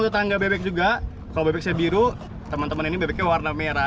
tetangga bebek juga kalau bebek saya biru teman teman ini bebeknya warna merah